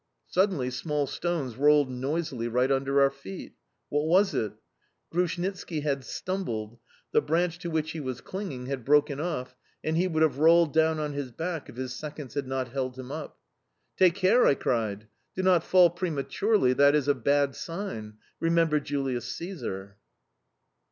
Suddenly small stones rolled noisily right under our feet. What was it? Grushnitski had stumbled; the branch to which he was clinging had broken off, and he would have rolled down on his back if his seconds had not held him up. "Take care!" I cried. "Do not fall prematurely: that is a bad sign. Remember Julius Caesar!"